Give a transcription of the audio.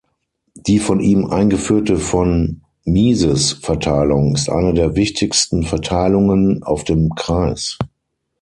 Die von ihm eingeführte von-Mises-Verteilung ist eine der wichtigsten Verteilungen auf dem Kreis.